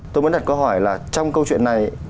tôi muốn đặt câu hỏi là trong câu chuyện này